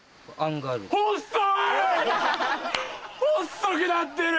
細くなってる！